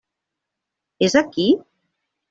És aquí?